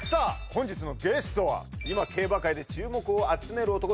本日のゲストは今競馬界で注目を集める男